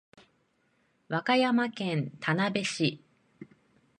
和歌山県田辺市